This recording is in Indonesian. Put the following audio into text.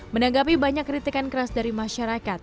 menanggapi banyak kritikan keras dari masyarakat